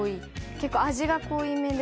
結構味が濃いめで。